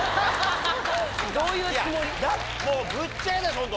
もうぶっちゃけ。